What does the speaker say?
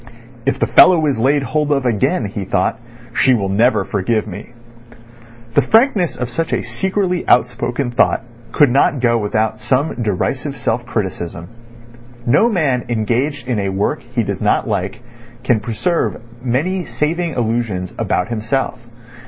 "If the fellow is laid hold of again," he thought, "she will never forgive me." The frankness of such a secretly outspoken thought could not go without some derisive self criticism. No man engaged in a work he does not like can preserve many saving illusions about himself.